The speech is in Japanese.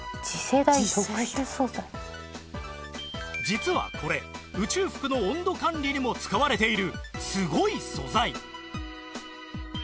実はこれ宇宙服の温度管理にも使われているすごい素材